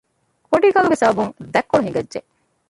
ކުނޑިގަލުގެ ސަބަބުން ދަތްކޮޅު ހިނގައްޖެ